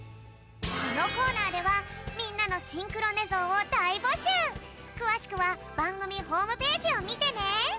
このコーナーではみんなのくわしくはばんぐみホームページをみてね！